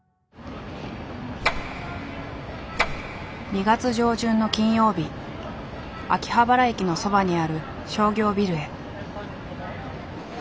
２月上旬の金曜日秋葉原駅のそばにある商業ビルへ。